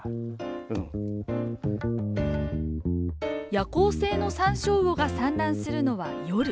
夜行性のサンショウウオが産卵するのは夜。